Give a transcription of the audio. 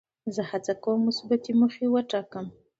زه هڅه کوم مثبتې موخې وټاکم.